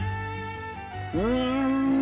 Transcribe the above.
うん！